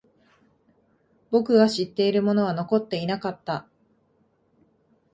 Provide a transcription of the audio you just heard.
僕が知っているものは残っていなかった。